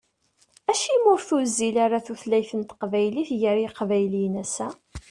Acimi ur tuzzil ara tutlayt n teqbaylit gar yiqbayliyen ass-a?